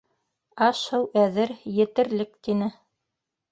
Аш-һыу әҙер, етерлек, — тине.